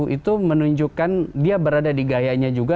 itu menunjukkan dia berada di gayanya juga